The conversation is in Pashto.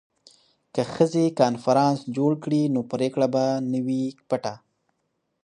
که ښځې کنفرانس جوړ کړي نو پریکړه به نه وي پټه.